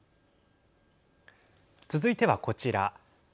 続いては、こちら。